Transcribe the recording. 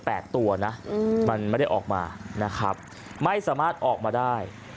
ตัวนะอืมมันไม่ได้ออกมานะครับไม่สามารถออกมาได้